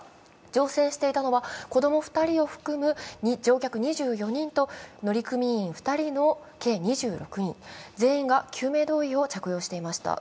乗船していたのは子供２人を含む乗客２４人と乗組員人の計２６人、全員が救命胴衣を着用していました。